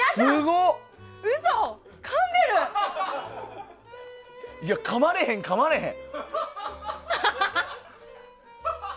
いや、かまれへん、かまれへん。